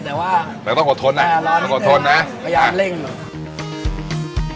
แต่ว่าต้องโหตทนนะลอนิดหนึ่งขอโทษไว้นะประยานเร่งหนู